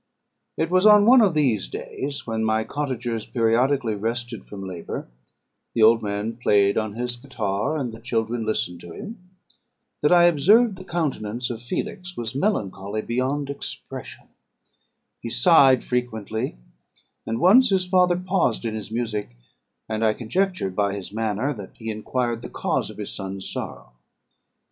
"It was on one of these days, when my cottagers periodically rested from labour the old man played on his guitar, and the children listened to him that I observed the countenance of Felix was melancholy beyond expression; he sighed frequently; and once his father paused in his music, and I conjectured by his manner that he enquired the cause of his son's sorrow.